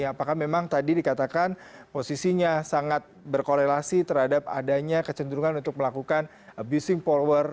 apakah memang tadi dikatakan posisinya sangat berkorelasi terhadap adanya kecenderungan untuk melakukan abusing power